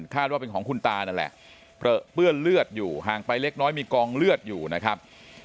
ว่าเป็นของคุณตานั่นแหละเปลือเปื้อนเลือดอยู่ห่างไปเล็กน้อยมีกองเลือดอยู่นะครับ